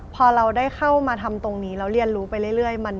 พอเราได้เข้ามาทำตรงนี้แล้วเรียนรู้ไปเรื่อย